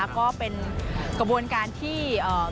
ก็เป็นกระบวนการที่